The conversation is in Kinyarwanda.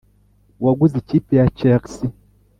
waguze ikipe ya chelsea,